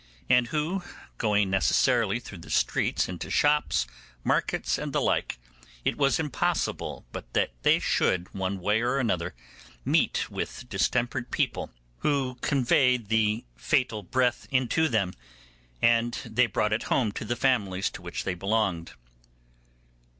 and who going necessarily through the streets into shops, markets, and the like, it was impossible but that they should, one way or other, meet with distempered people, who conveyed the fatal breath into them, and they brought it home to the families to which they belonged.